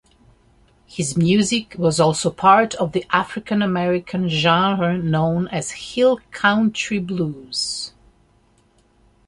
His music was also part of the African-American genre known as Hill country blues.